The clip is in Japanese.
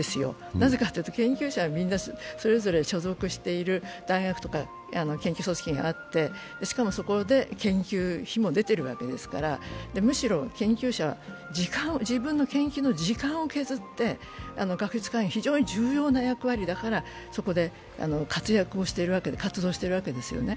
なぜかというと研究者みんなそれぞれ所属している大学とか研究組織があって、しかも、そこで研究費も出ているわけですからむしろ研究者は、自分の研究の時間を削って学術会議非常に重要な役割だからそこで活動しているわけですよね。